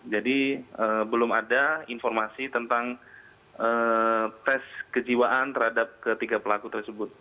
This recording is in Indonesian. jadi belum ada informasi tentang tes kejiwaan terhadap ketiga pelaku tersebut